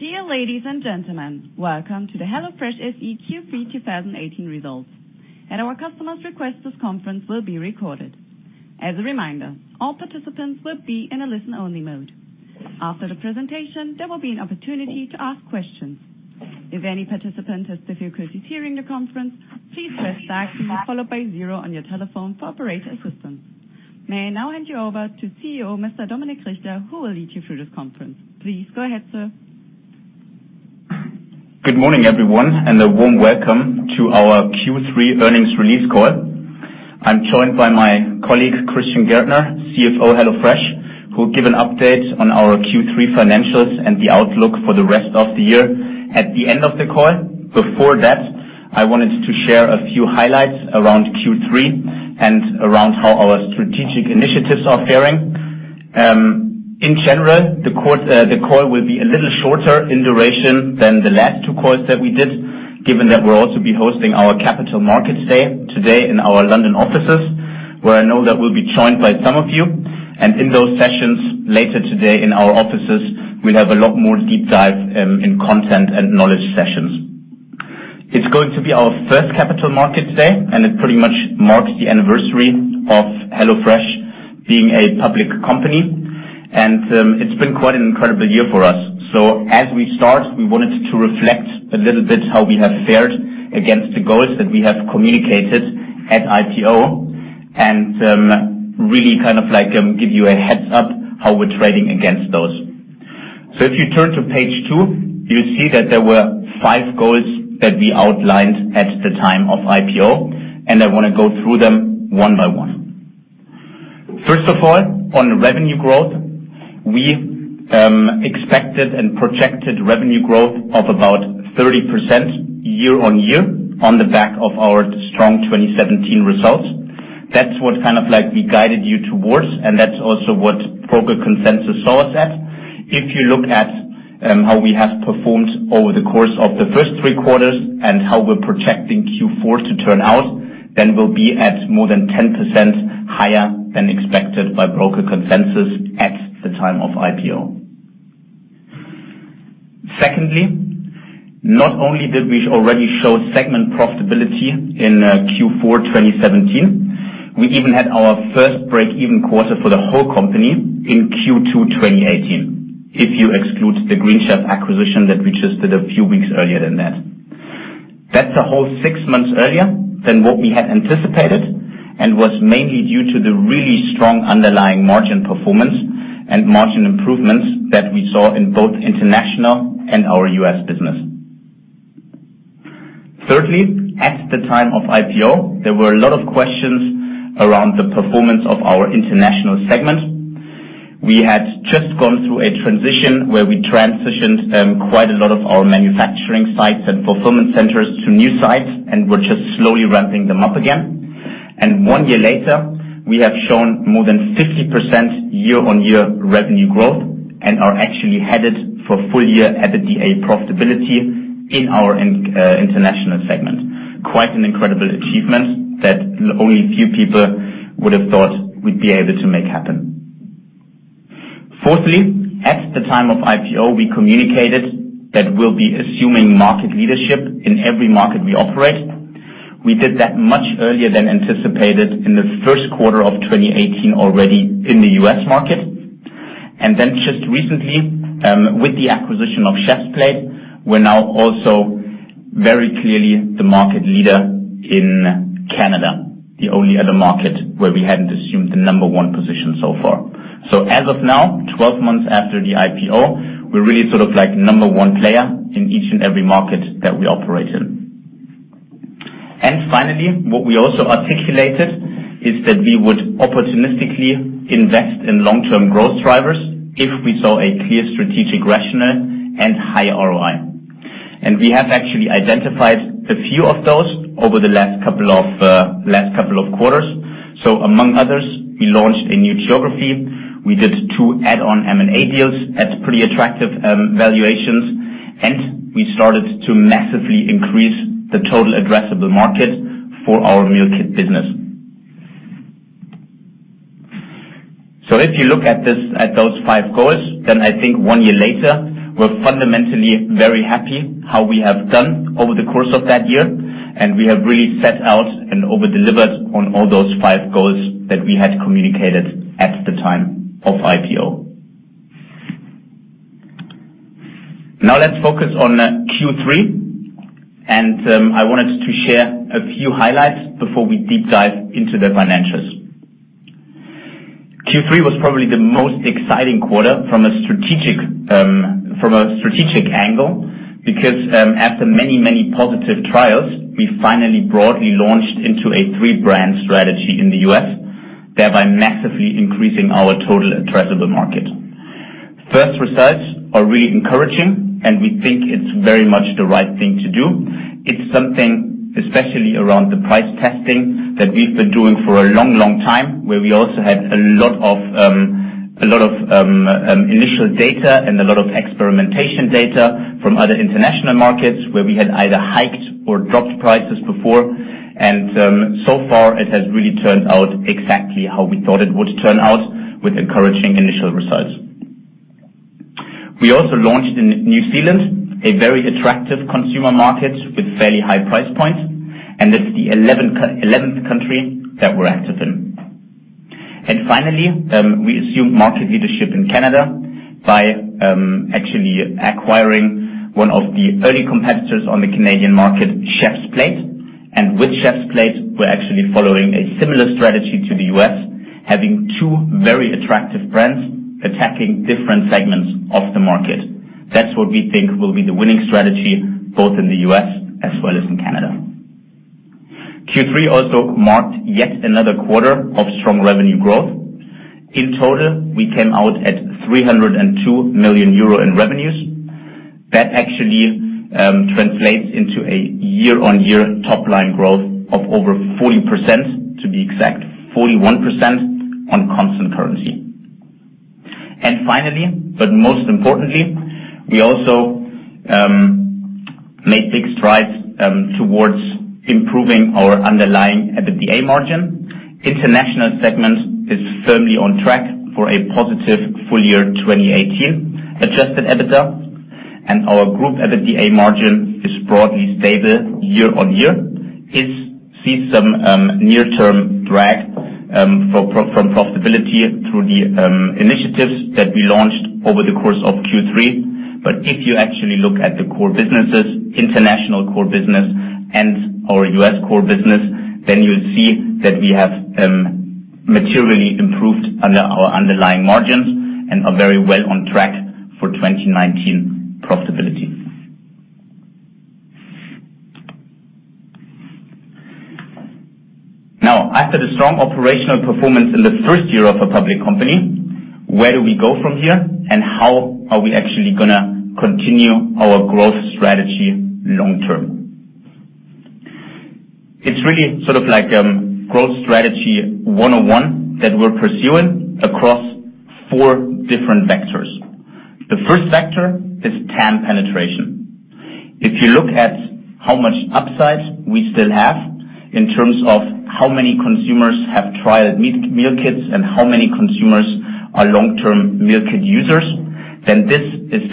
Dear ladies and gentlemen. Welcome to the HelloFresh SE Q3 2018 results. At our customer's request, this conference will be recorded. As a reminder, all participants will be in a listen-only mode. After the presentation, there will be an opportunity to ask questions. If any participant has difficulty hearing the conference, please press star followed by zero on your telephone for operator assistance. May I now hand you over to CEO, Mr. Dominik Richter, who will lead you through this conference. Please go ahead, sir. Good morning, everyone, a warm welcome to our Q3 earnings release call. I'm joined by my colleague, Christian Gärtner, CFO of HelloFresh, who will give an update on our Q3 financials and the outlook for the rest of the year at the end of the call. Before that, I wanted to share a few highlights around Q3 and around how our strategic initiatives are faring. In general, the call will be a little shorter in duration than the last two calls that we did, given that we'll also be hosting our capital markets day today in our London offices, where I know that we'll be joined by some of you. In those sessions later today in our offices, we'll have a lot more deep dive in content and knowledge sessions. It's going to be our first capital markets day. It pretty much marks the anniversary of HelloFresh being a public company. It's been quite an incredible year for us. As we start, we wanted to reflect a little bit how we have fared against the goals that we have communicated at IPO, really give you a heads-up how we're trading against those. If you turn to page two, you see that there were five goals that we outlined at the time of IPO. I want to go through them one by one. First of all, on revenue growth, we expected and projected revenue growth of about 30% year-on-year on the back of our strong 2017 results. That's what we guided you towards. That's also what broker consensus saw us at. If you look at how we have performed over the course of the first three quarters and how we're projecting Q4 to turn out, we'll be at more than 10% higher than expected by broker consensus at the time of IPO. Secondly, not only did we already show segment profitability in Q4 2017, we even had our first break-even quarter for the whole company in Q2 2018. If you exclude the Green Chef acquisition that we just did a few weeks earlier than that. That's a whole six months earlier than what we had anticipated, was mainly due to the really strong underlying margin performance and margin improvements that we saw in both international and our U.S. business. Thirdly, at the time of IPO, there were a lot of questions around the performance of our international segment. We had just gone through a transition where we transitioned quite a lot of our manufacturing sites and fulfillment centers to new sites, we're just slowly ramping them up again. One year later, we have shown more than 50% year-on-year revenue growth and are actually headed for full year EBITDA profitability in our international segment. Quite an incredible achievement that only a few people would have thought we'd be able to make happen. Fourthly, at the time of IPO, we communicated that we'll be assuming market leadership in every market we operate. We did that much earlier than anticipated in the first quarter of 2018 already in the U.S. market. Then just recently, with the acquisition of Chefs Plate, we're now also very clearly the market leader in Canada, the only other market where we hadn't assumed the number 1 position so far. As of now, 12 months after the IPO, we're really sort of like number 1 player in each and every market that we operate in. Finally, what we also articulated is that we would opportunistically invest in long-term growth drivers if we saw a clear strategic rationale and high ROI. We have actually identified a few of those over the last couple of quarters. Among others, we launched a new geography. We did two add-on M&A deals at pretty attractive valuations, we started to massively increase the total addressable market for our meal kit business. If you look at those five goals, then I think one year later, we're fundamentally very happy how we have done over the course of that year. We have really set out and over-delivered on all those five goals that we had communicated at the time of IPO. Now let's focus on Q3, I wanted to share a few highlights before we deep dive into the financials. Q3 was probably the most exciting quarter from a strategic angle because, after many positive trials, we finally broadly launched into a three-brand strategy in the U.S., thereby massively increasing our total addressable market. First results are really encouraging, we think it's very much the right thing to do. It's something, especially around the price testing, that we've been doing for a long time, where we also had a lot of initial data and a lot of experimentation data from other international markets where we had either hiked or dropped prices before. So far it has really turned out exactly how we thought it would turn out with encouraging initial results. We also launched in New Zealand, a very attractive consumer market with fairly high price points, it's the 11th country that we're active in. Finally, we assumed market leadership in Canada by actually acquiring one of the early competitors on the Canadian market, Chefs Plate. With Chefs Plate, we're actually following a similar strategy to the U.S., having two very attractive brands attacking different segments of the market. That's what we think will be the winning strategy, both in the U.S. as well as in Canada. Q3 also marked yet another quarter of strong revenue growth. In total, we came out at 302 million euro in revenues. That actually translates into a year-on-year top line growth of over 40%, to be exact, 41% on constant currency. Finally, but most importantly, we also made big strides towards improving our underlying EBITDA margin. International segment is firmly on track for a positive full year 2018 adjusted EBITDA year-on-year. We see some near-term drag from profitability through the initiatives that we launched over the course of Q3. If you actually look at the core businesses, international core business and our U.S. core business, then you'll see that we have materially improved our underlying margins and are very well on track for 2019 profitability. After the strong operational performance in the first year of a public company, where do we go from here, and how are we actually gonna continue our growth strategy long term? It's really sort of like growth strategy 101 that we're pursuing across four different vectors. The first vector is TAM penetration. If you look at how much upside we still have in terms of how many consumers have tried meal kits and how many consumers are long-term meal kit users, then this will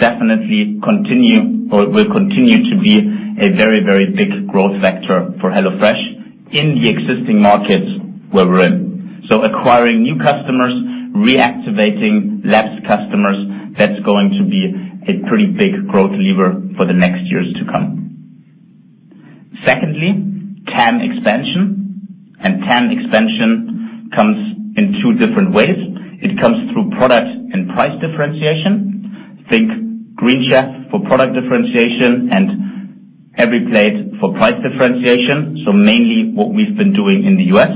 continue to be a very, very big growth vector for HelloFresh in the existing markets where we're in. Acquiring new customers, reactivating lapsed customers, that's going to be a pretty big growth lever for the next years to come. Secondly, TAM expansion, and TAM expansion comes in two different ways. It comes through product and price differentiation, think Green Chef for product differentiation and EveryPlate for price differentiation. Mainly what we've been doing in the U.S.,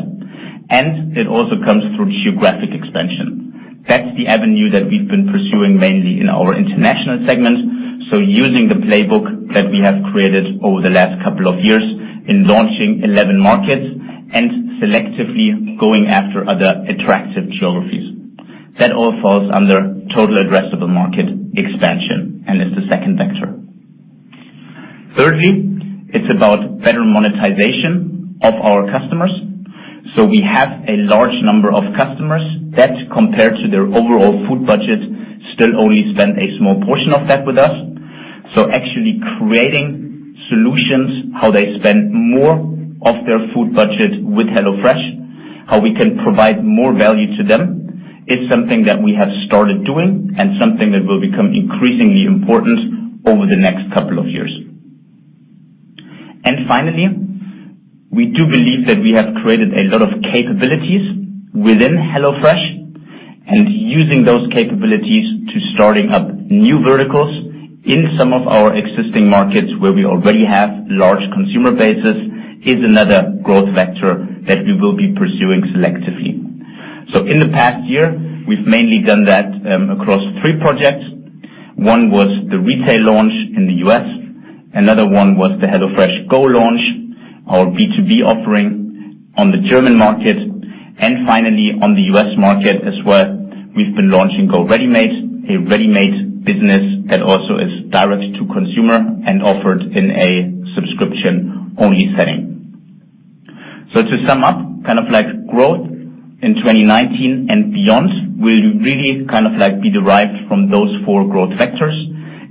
and it also comes through geographic expansion. That's the avenue that we've been pursuing mainly in our international segment. Using the playbook that we have created over the last couple of years in launching 11 markets and selectively going after other attractive geographies. That all falls under total addressable market expansion and is the second vector. Thirdly, it's about better monetization of our customers. We have a large number of customers that, compared to their overall food budget, still only spend a small portion of that with us. Actually creating solutions, how they spend more of their food budget with HelloFresh, how we can provide more value to them is something that we have started doing and something that will become increasingly important over the next couple of years. Finally, we do believe that we have created a lot of capabilities within HelloFresh and using those capabilities to starting up new verticals in some of our existing markets where we already have large consumer bases, is another growth vector that we will be pursuing selectively. In the past year, we've mainly done that across three projects. One was the retail launch in the U.S., another one was the HelloFreshGO launch, our B2B offering on the German market. Finally on the U.S. market as well, we've been launching Go Ready Made, a ready-made business that also is direct to consumer and offered in a subscription only setting. To sum up, growth in 2019 and beyond will really be derived from those four growth vectors.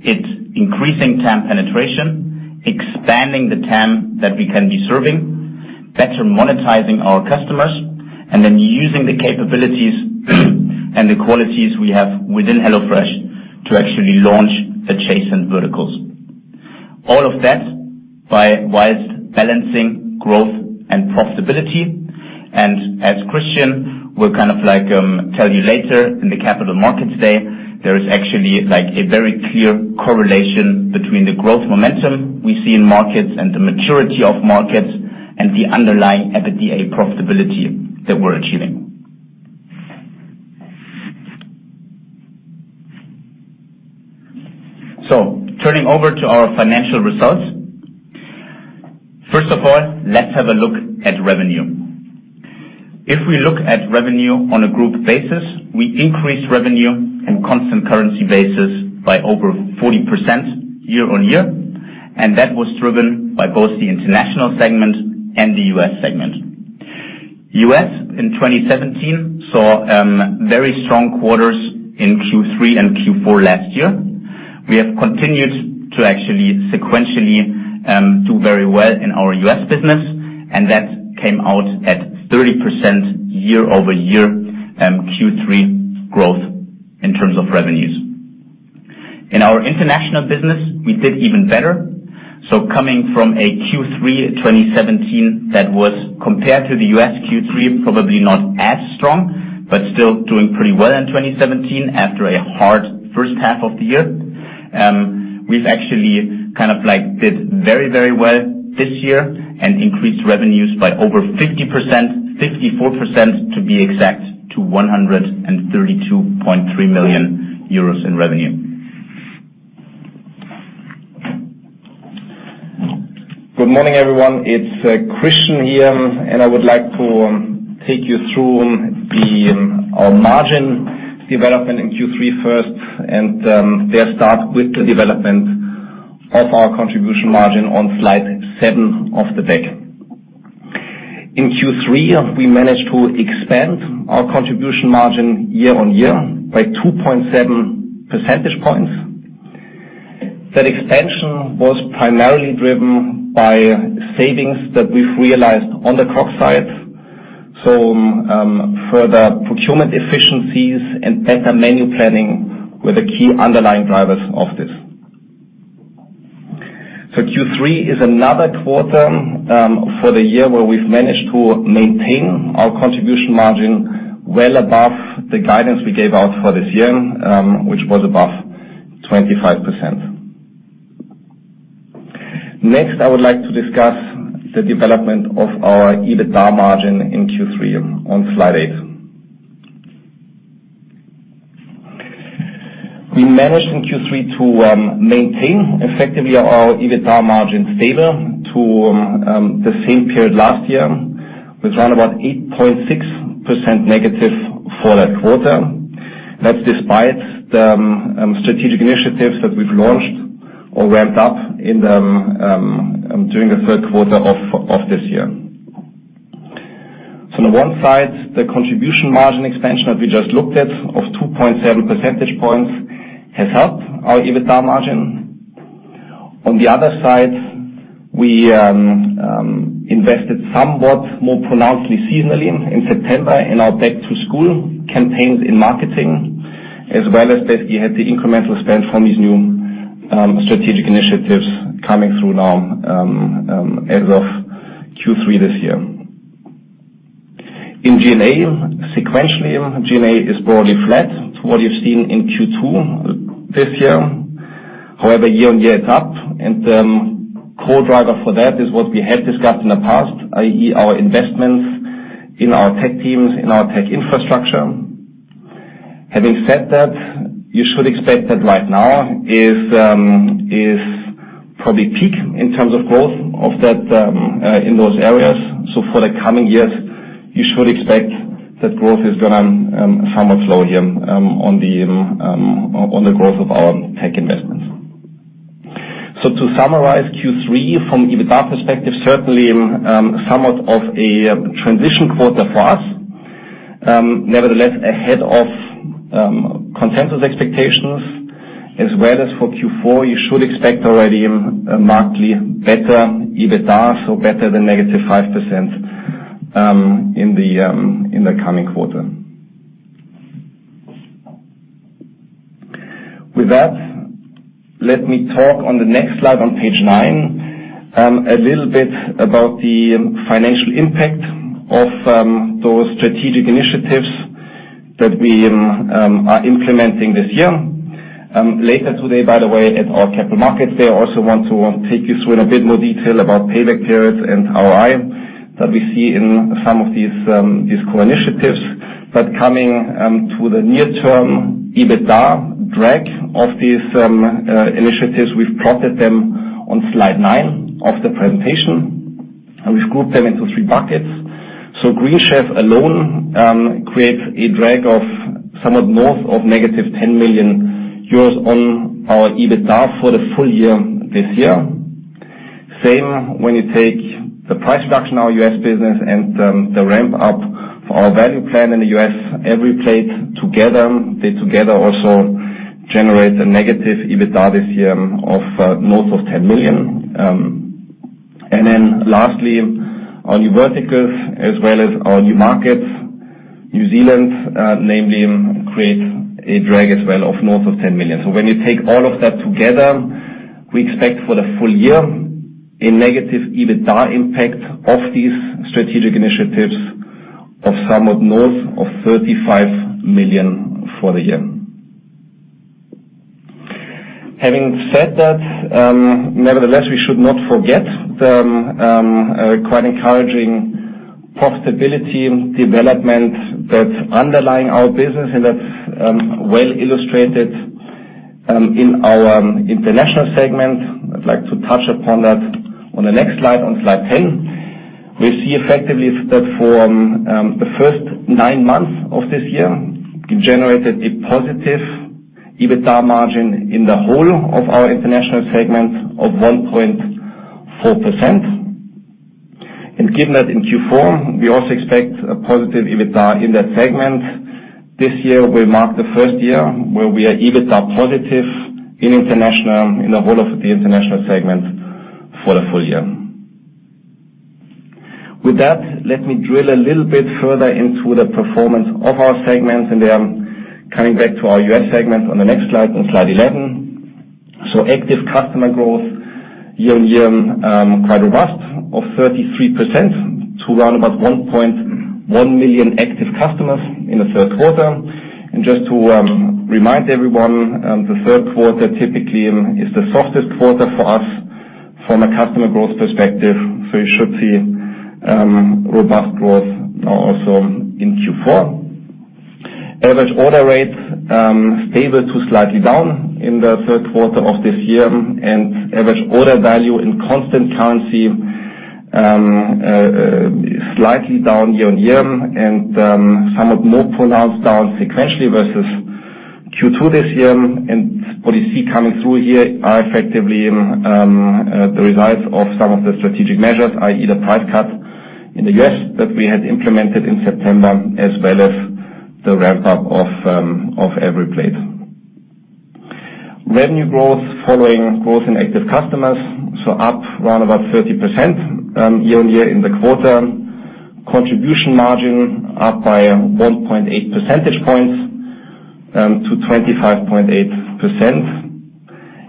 It's increasing TAM penetration, expanding the TAM that we can be serving, better monetizing our customers, then using the capabilities and the qualities we have within HelloFresh to actually launch adjacent verticals. All of that by wise balancing growth and profitability. As Christian will tell you later in the Capital Markets Day, there is actually a very clear correlation between the growth momentum we see in markets and the maturity of markets and the underlying EBITDA profitability that we're achieving. Turning over to our financial results. First of all, let's have a look at revenue. If we look at revenue on a group basis, we increased revenue on constant currency basis by over 40% year-on-year. That was driven by both the international segment and the U.S. segment. U.S. in 2017, saw very strong quarters in Q3 and Q4 last year. We have continued to actually sequentially do very well in our U.S. business, that came out at 30% year-over-year, Q3 growth in terms of revenues. In our international business, we did even better. Coming from a Q3 2017 that was compared to the U.S. Q3, probably not as strong, but still doing pretty well in 2017 after a hard first half of the year. We've actually kind of did very well this year increased revenues by over 50%, 54% to be exact, to 132.3 million euros in revenue. Good morning, everyone. It's Christian here, and I would like to take you through our margin development in Q3 first, and there start with the development of our contribution margin on slide seven of the deck. In Q3, we managed to expand our contribution margin year on year by 2.7 percentage points. That expansion was primarily driven by savings that we've realized on the COGS side. Further procurement efficiencies and better menu planning were the key underlying drivers of this. Q3 is another quarter for the year where we've managed to maintain our contribution margin well above the guidance we gave out for this year, which was above 25%. Next, I would like to discuss the development of our EBITDA margin in Q3 on slide eight. We managed in Q3 to maintain effectively our EBITDA margin stable to the same period last year with around about 8.6% negative for that quarter. That's despite the strategic initiatives that we've launched or ramped up during the third quarter of this year. On one side, the contribution margin expansion that we just looked at of 2.7 percentage points has helped our EBITDA margin. On the other side, we invested somewhat more pronouncedly seasonally in September in our back-to-school campaigns in marketing, as well as that we had the incremental spend from these new strategic initiatives coming through now as of Q3 this year. In G&A, sequentially, G&A is broadly flat to what you've seen in Q2 this year. However, year on year it's up and the core driver for that is what we had discussed in the past, i.e., our investments in our tech teams, in our tech infrastructure. Having said that, you should expect that right now is probably peak in terms of growth in those areas. For the coming years, you should expect that growth is gonna somewhat slow here on the growth of our tech investments. To summarize Q3 from an EBITDA perspective, certainly, somewhat of a transition quarter for us. Nevertheless, ahead of consensus expectations as well as for Q4, you should expect already a markedly better EBITDA, so better than negative 5% in the coming quarter. With that, let me talk on the next slide on page nine, a little bit about the financial impact of those strategic initiatives that we are implementing this year. Later today, by the way, at our capital markets day, I also want to take you through in a bit more detail about payback periods and ROI that we see in some of these core initiatives. Coming to the near term, EBITDA drag of these initiatives, we've plotted them on slide nine of the presentation, and we've grouped them into three buckets. Green Chef alone creates a drag of somewhat north of negative 10 million euros on our EBITDA for the full year this year. Same when you take the price reduction in our U.S. business and the ramp-up of our value plan in the U.S., EveryPlate together, they together also generate a negative EBITDA this year of north of 10 million. Lastly, our new verticals as well as our new markets, New Zealand namely, create a drag as well of north of 10 million. When you take all of that together, we expect for the full year a negative EBITDA impact of these strategic initiatives of somewhat north of 35 million for the year. Having said that, nevertheless, we should not forget the quite encouraging profitability development that's underlying our business and that's well illustrated in our international segment. I'd like to touch upon that on the next slide, on slide 10. We see effectively that for the first nine months of this year, we generated a positive EBITDA margin in the whole of our international segment of 1.4%. Given that in Q4, we also expect a positive EBITDA in that segment. This year will mark the first year where we are EBITDA positive in the whole of the international segment for the full year. With that, let me drill a little further into the performance of our segments, then coming back to our U.S. segment on the next slide, on slide 11. Active customer growth year-on-year, quite robust of 33% to around about 1.1 million active customers in the third quarter. Just to remind everyone, the third quarter typically is the softest quarter for us from a customer growth perspective. You should see robust growth also in Q4. Average order rates stable to slightly down in the third quarter of this year, average order value in constant currency slightly down year-on-year, and somewhat more pronounced down sequentially versus Q2 this year. What you see coming through here are effectively the results of some of the strategic measures, i.e., the price cut in the U.S. that we had implemented in September, as well as the ramp-up of EveryPlate. Revenue growth following growth in active customers, so up around about 30% year-on-year in the quarter. Contribution margin up by 1.8 percentage points to 25.8%.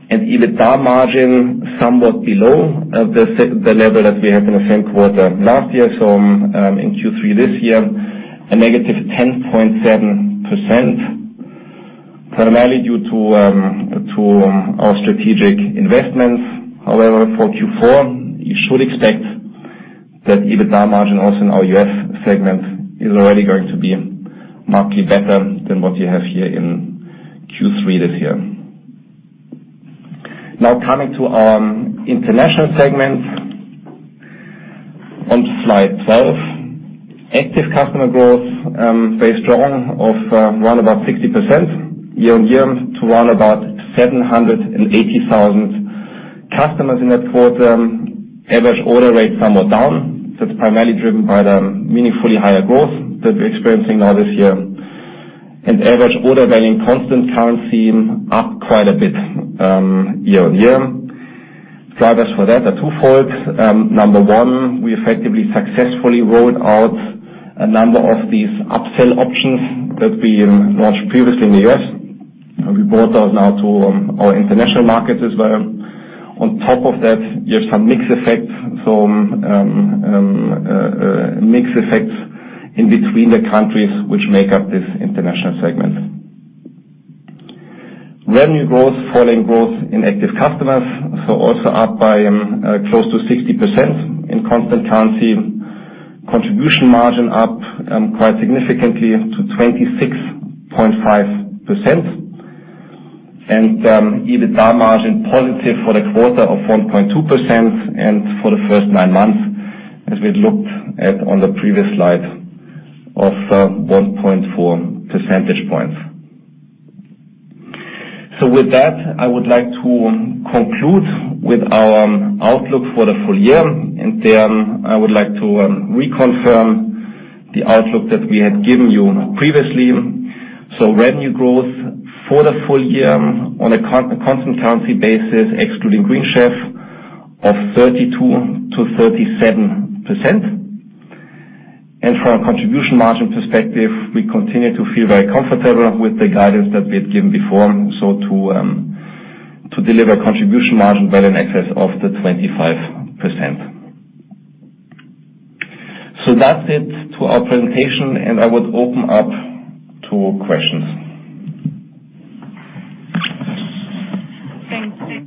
EBITDA margin somewhat below the level that we had in the same quarter last year. In Q3 this year, a negative 10.7%, primarily due to our strategic investments. However, for Q4, you should expect that EBITDA margin also in our U.S. segment is already going to be markedly better than what you have here in Q3 this year. Coming to our international segment on slide 12. Active customer growth stay strong of around about 60% year-on-year to around about 780,000 customers in that quarter. Average order rate somewhat down. It's primarily driven by the meaningfully higher growth that we're experiencing now this year. Average order value in constant currency up quite a bit year-on-year. Drivers for that are twofold. Number one, we effectively successfully rolled out a number of these upsell options that we launched previously in the U.S. We brought those now to our international markets as well. On top of that, you have some mix effects. Mix effects in between the countries which make up this international segment. Revenue growth following growth in active customers, also up by close to 60% in constant currency. Contribution margin up quite significantly to 26.5%. EBITDA margin positive for the quarter of 1.2% and for the first nine months, as we had looked at on the previous slide, of 1.4 percentage points. With that, I would like to conclude with our outlook for the full year, I would like to reconfirm the outlook that we had given you previously. Revenue growth for the full year on a constant currency basis, excluding Green Chef, of 32%-37%. From a contribution margin perspective, we continue to feel very comfortable with the guidance that we had given before. To deliver contribution margin well in excess of the 25%. That's it to our presentation, I would open up to questions. Thanks, Tim.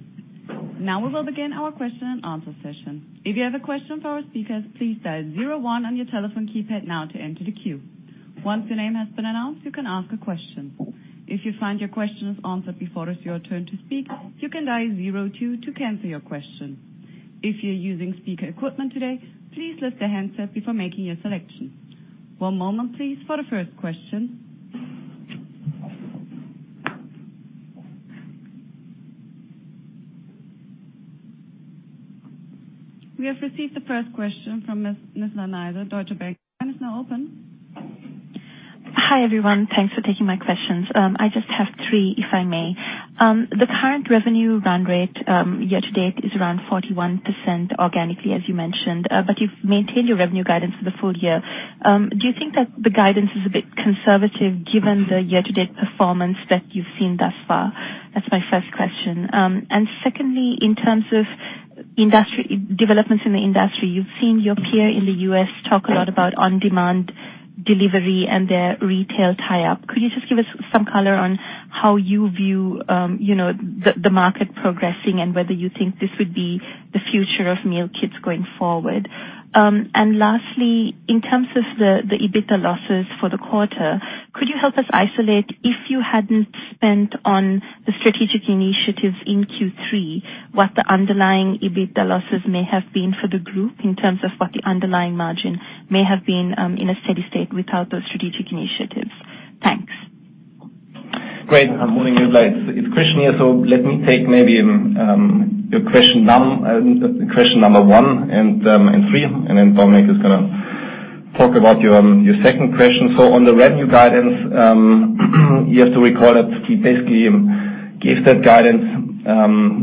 We will begin our question and answer session. If you have a question for our speakers, please dial 01 on your telephone keypad now to enter the queue. Once your name has been announced, you can ask a question. If you find your question is answered before it is your turn to speak, you can dial 02 to cancel your question. If you're using speaker equipment today, please lift the handset before making your selection. One moment, please, for the first question. We have received the first question from Ms. Nizla Naizer, Deutsche Bank. The line is now open. Hi, everyone. Thanks for taking my questions. I just have three, if I may. The current revenue run rate year-to-date is around 41% organically, as you mentioned, you've maintained your revenue guidance for the full year. Do you think that the guidance is a bit conservative given the year-to-date performance that you've seen thus far? That's my first question. Secondly, in terms of developments in the industry, you've seen your peer in the U.S. talk a lot about on-demand delivery and their retail tie-up. Could you just give us some color on how you view the market progressing and whether you think this would be the future of meal kits going forward? Lastly, in terms of the EBITDA losses for the quarter, could you help us isolate if you hadn't spent on the strategic initiatives in Q3, what the underlying EBITDA losses may have been for the group in terms of what the underlying margin may have been in a steady state without those strategic initiatives. Thanks. Great. Morning, It's Christian here. Let me take maybe your question number one and three, and then Dominik is going to talk about your second question. On the revenue guidance, you have to recall that we basically gave that guidance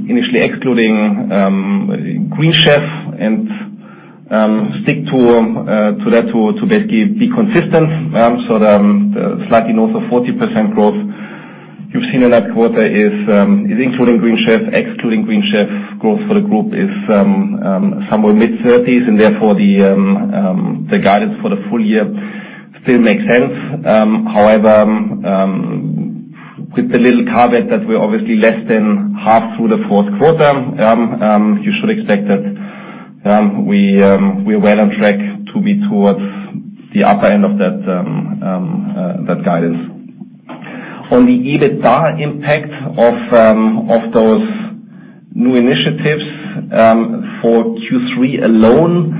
initially excluding Green Chef and stick to that to basically be consistent. The slightly north of 40% growth you've seen in that quarter is including Green Chef. Excluding Green Chef, growth for the group is somewhere mid-30s, and therefore the guidance for the full year still makes sense. However, with the little caveat that we're obviously less than half through the fourth quarter, you should expect that we're well on track to be towards the upper end of that guidance. On the EBITDA impact of those new initiatives for Q3 alone,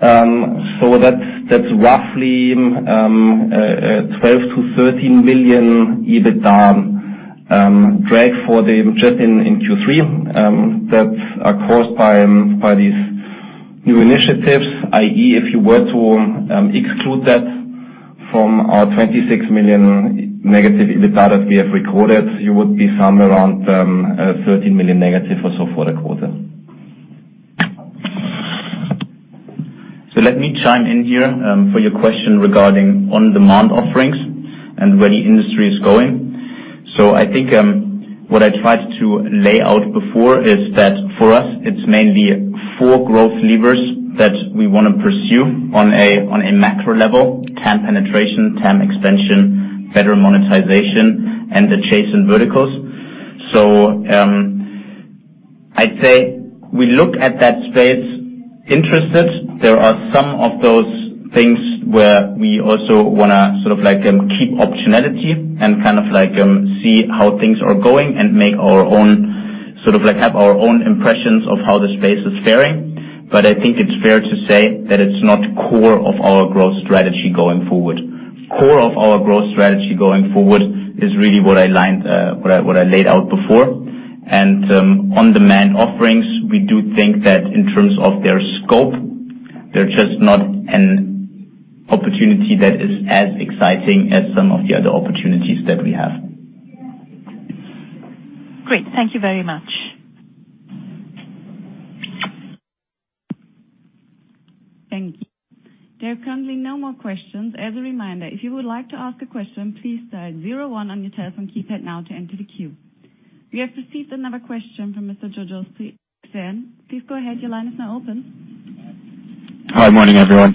that's roughly 12 million-13 million EBITDA drag for them just in Q3, that's caused by these new initiatives, i.e., if you were to exclude that from our 26 million negative EBITDA that we have recorded, you would be somewhere around 13 million negative or so for the quarter. Let me chime in here for your question regarding on-demand offerings and where the industry is going. I think what I tried to lay out before is that for us it's mainly four growth levers that we want to pursue on a macro level: TAM penetration, TAM expansion, better monetization, and adjacent verticals. I'd say we look at that space interested. There are some of those things where we also want to sort of keep optionality, and kind of see how things are going and sort of have our own impressions of how the space is faring. I think it's fair to say that it's not core of our growth strategy going forward. Core of our growth strategy going forward is really what I laid out before. On-demand offerings, we do think that in terms of their scope, they're just not an opportunity that is as exciting as some of the other opportunities that we have. Great. Thank you very much. Thank you. There are currently no more questions. As a reminder, if you would like to ask a question, please dial 01 on your telephone keypad now to enter the queue. We have received another question from Mr. Jojo. Please go ahead. Your line is now open. Hi. Morning, everyone.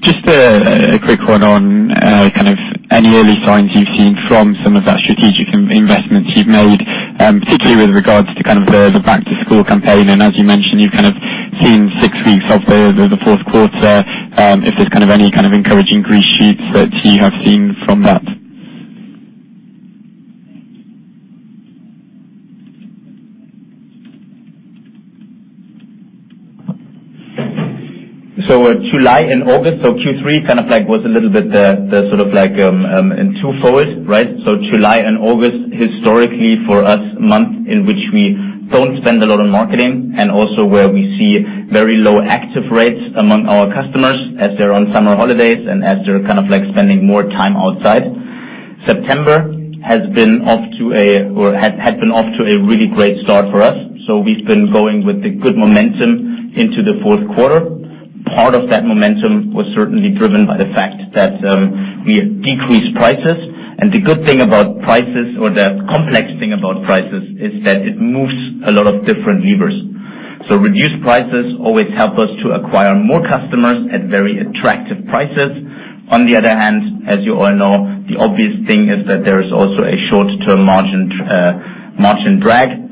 Just a quick one on kind of any early signs you've seen from some of that strategic investments you've made, particularly with regards to kind of the back-to-school campaign. As you mentioned, you've kind of seen six weeks of the fourth quarter. If there's kind of any kind of encouraging green shoots that you have seen from that. July and August, so Q3 kind of like was a little bit sort of like two-fold, right? July and August, historically for us, months in which we don't spend a lot on marketing, and also where we see very low active rates among our customers as they're on summer holidays and as they're kind of like spending more time outside. September had been off to a really great start for us, so we've been going with the good momentum into the fourth quarter. Part of that momentum was certainly driven by the fact that we had decreased prices. The good thing about prices, or the complex thing about prices, is that it moves a lot of different levers. Reduced prices always help us to acquire more customers at very attractive prices. On the other hand, as you all know, the obvious thing is that there is also a short-term margin drag.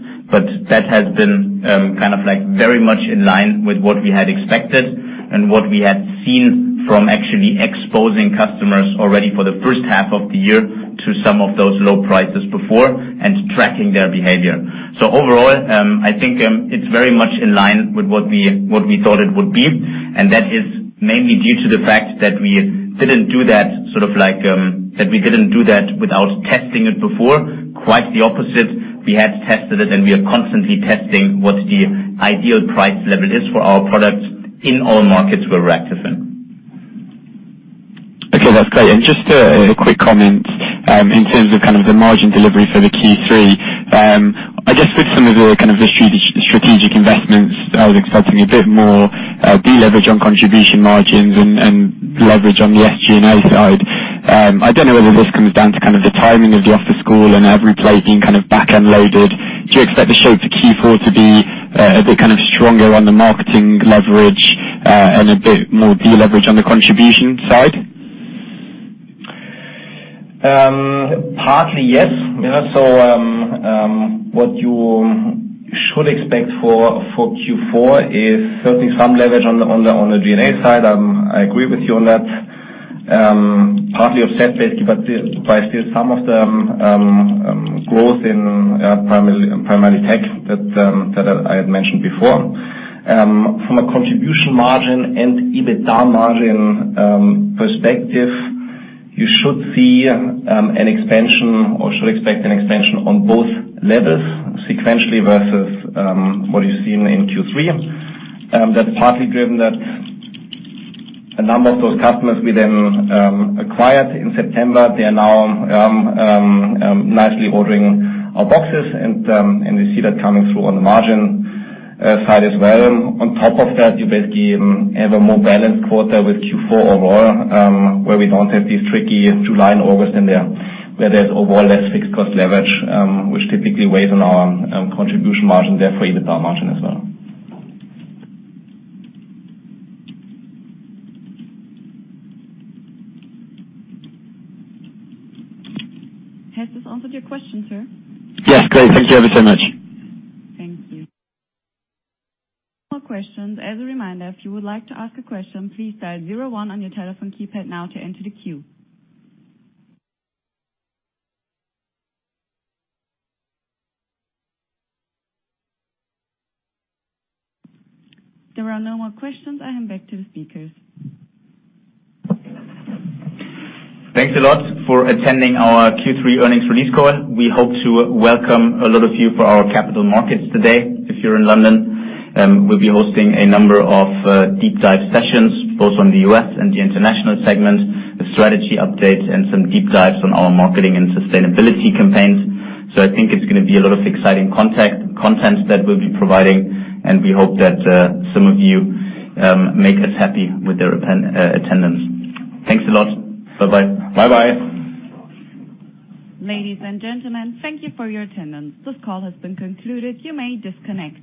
That has been kind of very much in line with what we had expected and what we had seen from actually exposing customers already for the first half of the year to some of those low prices before and tracking their behavior. Overall, I think it's very much in line with what we thought it would be, and that is mainly due to the fact that we didn't do that without testing it before. Quite the opposite. We had tested it, and we are constantly testing what the ideal price level is for our products in all markets where we're active in. Okay. That's great. Just a quick comment in terms of kind of the margin delivery for the Q3. I guess with some of the kind of strategic investments, I was expecting a bit more de-leverage on contribution margins and leverage on the SG&A side. I don't know whether this comes down to kind of the timing of the after-school and EveryPlate being kind of back-end loaded. Do you expect the shape of Q4 to be a bit kind of stronger on the marketing leverage, and a bit more de-leverage on the contribution side? Partly, yes. What you should expect for Q4 is certainly some leverage on the G&A side. I agree with you on that. Partly offset basically by still some of the growth in primary tech that I had mentioned before. From a contribution margin and EBITDA margin perspective, you should see an expansion or should expect an expansion on both levels sequentially versus what you've seen in Q3. That's partly driven that a number of those customers we then acquired in September, they are now nicely ordering our boxes, and we see that coming through on the margin side as well. On top of that, you basically have a more balanced quarter with Q4 overall, where we don't have these tricky July and August in there, where there's overall less fixed cost leverage, which typically weighs on our contribution margin, therefore, EBITDA margin as well. Has this answered your question, sir? Yes. Great. Thank you ever so much. Thank you. More questions. As a reminder, if you would like to ask a question, please dial zero one on your telephone keypad now to enter the queue. There are no more questions. I hand back to the speakers. Thanks a lot for attending our Q3 earnings release call. We hope to welcome a lot of you for our capital markets today. If you're in London, we'll be hosting a number of deep dive sessions, both on the U.S. and the international segment, a strategy update, and some deep dives on our marketing and sustainability campaigns. I think it's going to be a lot of exciting content that we'll be providing, and we hope that some of you make us happy with your attendance. Thanks a lot. Bye-bye. Bye-bye. Ladies and gentlemen, thank you for your attendance. This call has been concluded. You may disconnect.